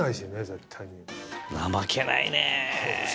怠けないね。